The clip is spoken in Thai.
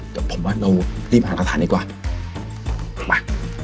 แต่ผมว่าเรารีบหากระทานดีกว่ามา